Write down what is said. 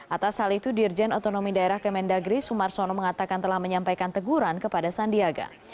atas hal itu dirjen otonomi daerah kemendagri sumarsono mengatakan telah menyampaikan teguran kepada sandiaga